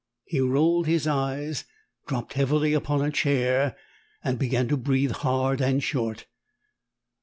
He rolled his eyes, dropped heavily upon a chair, and began to breathe hard and short.